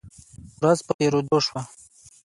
ورځ په تیریدو شوه